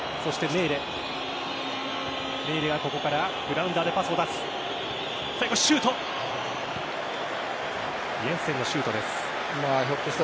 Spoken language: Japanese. メーレはここからグラウンダーでパスを出す。